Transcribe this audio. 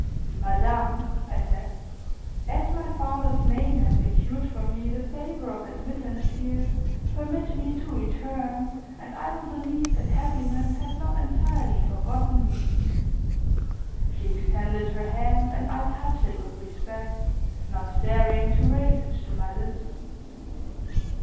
"Madame," I said, "as my father's name has secured for me the favor of admittance here, permit me to return and I will believe that happiness has not entirely forgotten me." She extended her hand and I touched it with respect, not daring to raise it to my lips.